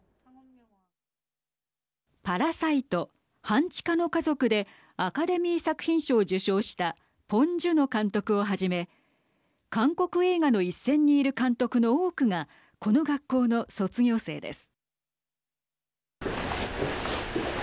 パラサイト、半地下の家族でアカデミー作品賞を受賞したポン・ジュノ監督をはじめ韓国映画の一線にいる監督の多くがこの学校の卒業生です。